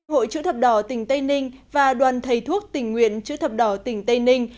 hội chữ thập đỏ tỉnh tây ninh và đoàn thầy thuốc tỉnh nguyễn chữ thập đỏ tỉnh tây ninh